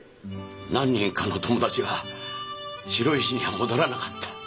何人かの友達は白石には戻らなかった。